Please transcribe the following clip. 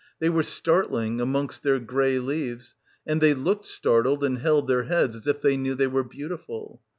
They were startling, amongst their grey leaves; and they looked startled and held their heads as if they knew they were beauti ful.